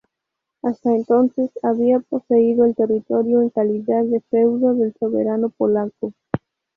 Hasta entonces, había poseído el territorio en calidad de feudo del soberano polaco.